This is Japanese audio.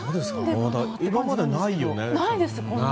今までないよね。